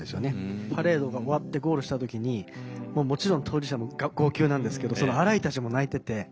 パレードが終わってゴールした時にもちろん当事者も号泣なんですけどそのアライたちも泣いてて。